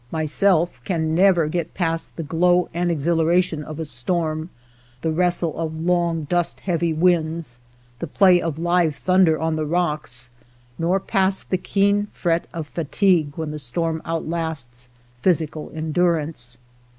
Myself can never get past the glow and exhilaration of a storm, the wrestle of long dust heavy winds, the play of live thunder on the rocks, nor past the keen fret of fatigue when the storm outlasts /^physical endurance.